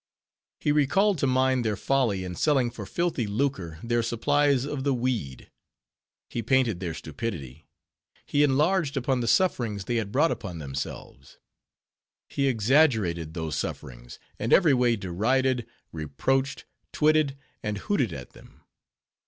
He recalled to mind their folly in selling for filthy lucre, their supplies of the weed; he painted their stupidity; he enlarged upon the sufferings they had brought upon themselves; he exaggerated those sufferings, and every way derided, reproached, twitted, and hooted at them.